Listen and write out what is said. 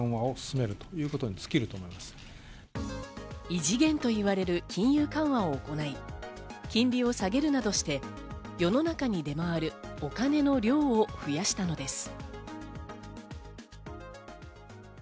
異次元といわれる金融緩和を行い、金利を下げるなどして、世の中に出回るお金の量を増やしたのです。